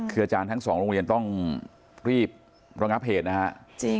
คืออาจารย์ทั้งสองโรงเรียนต้องรีบระงับเหตุนะฮะ